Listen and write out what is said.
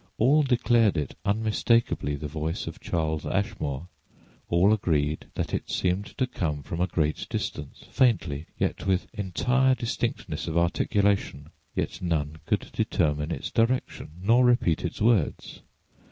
All declared it unmistakably the voice of Charles Ashmore; all agreed that it seemed to come from a great distance, faintly, yet with entire distinctness of articulation; yet none could determine its direction, nor repeat its words.